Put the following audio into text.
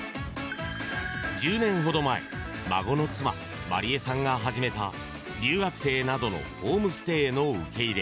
１０年ほど前、孫の妻磨里画さんが始めた留学生などのホームステイの受け入れ。